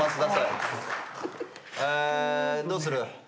どうする？